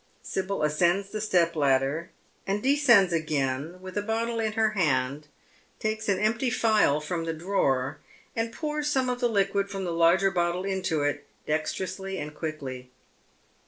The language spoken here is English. Sibyl ascends the step ladder, and descends again with a bottle in her hand, takes an empty phial from a drawer, and pours some of the fluid fi om the larger bottle into it, dexterously and quickly.